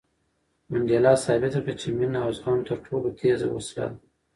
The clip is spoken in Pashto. منډېلا ثابته کړه چې مینه او زغم تر ټولو تېزه وسله ده.